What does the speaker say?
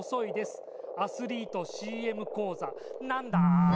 「アスリートＣＭ講座」なんだー？